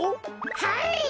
はい！